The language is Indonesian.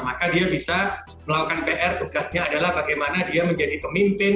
maka dia bisa melakukan pr tugasnya adalah bagaimana dia menjadi pemimpin